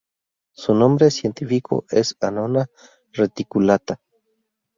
Su nombre científico es Annona reticulata.